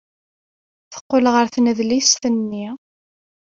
Teqqel ɣer tnedlist-nni.